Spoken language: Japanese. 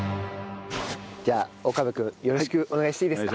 じゃあ岡部君よろしくお願いしていいですか？